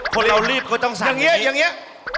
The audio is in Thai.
คนเรารีบก็ต้องสั่นอย่างนี้